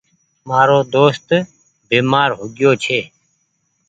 مآرو دوست بيمآر هوگيو ڇي۔